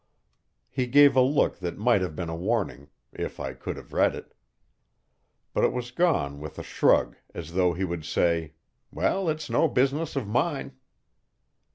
He gave a look that might have been a warning, if I could have read it; but it was gone with a shrug as though he would say, "Well, it's no business of mine."